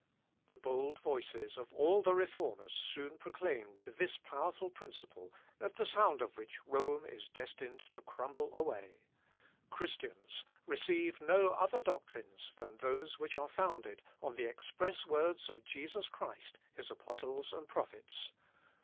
The bold voices of all the Reformers soon proclaimed this powerful principle, at the sound of which Rome is destined to crumble away: "Christians, receive no other doctrines than those which are founded on the express words of Jesus Christ, his apostles, and prophets.